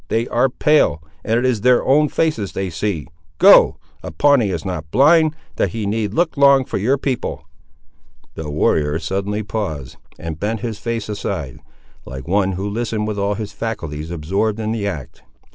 They are pale, and it is their own faces that they see. Go! a Pawnee is not blind, that he need look long for your people!" The warrior suddenly paused, and bent his face aside, like one who listened with all his faculties absorbed in the act.